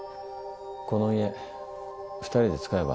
この家２人で使えば？